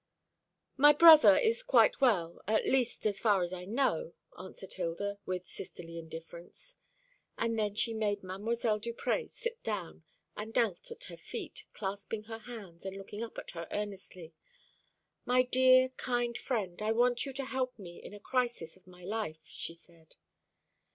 "My brother is quite well, at least as far as I know," answered Hilda, with sisterly indifference; and then she made Mdlle. Duprez sit down, and knelt at her feet, clasping her hands, and looking up at her earnestly. "My dear, kind friend, I want you to help me in a crisis of my life," she said.